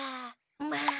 まあ。